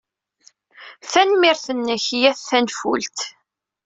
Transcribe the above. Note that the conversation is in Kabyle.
Tanemmirt nnek, yat tanfult